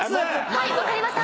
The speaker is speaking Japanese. はい分かりました。